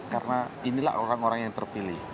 karena inilah orang orang yang terpilih